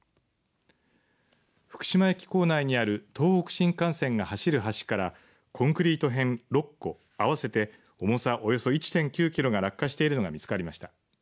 福島駅構内にある東北新幹線が走る橋からコンクリート片６個合わせて、重さおよそ１．９キロが落下しているのが見つかりました。